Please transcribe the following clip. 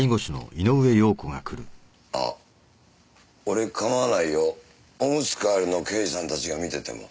あ俺構わないよ。オムツ替えるの刑事さんたちが見てても。